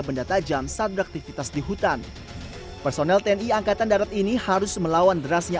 benda tajam saat beraktivitas di hutan personel tni angkatan darat ini harus melawan derasnya